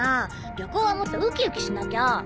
旅行はもっとウキウキしなきゃ。